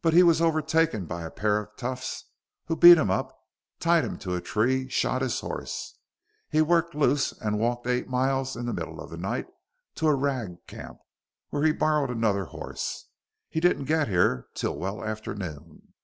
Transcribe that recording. But he was overtaken by a pair of toughs who beat him up, tied him to a tree, shot his horse. He worked loose and walked eight miles in the middle of the night to a ragcamp, where he borrowed another horse. He didn't get here till well after noon."